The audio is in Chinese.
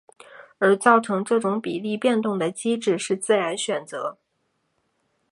而造成这种比例变动的机制是自然选择。